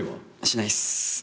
しないっす。